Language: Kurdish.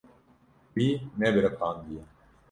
Wî nebiriqandiye.